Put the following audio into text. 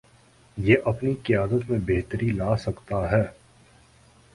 یہ اپنی قیادت میں بہتری لاسکتا ہے۔